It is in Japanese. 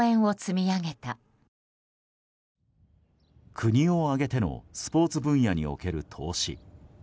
国を挙げてのスポーツ分野における投資。